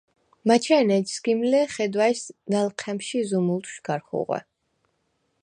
მაჩე̄ნე ეჯ სგიმ ლ’ე̄, ხედვა̄̈ის ნალჴა̈მში ზუმულდშვ გარ ხუღვე.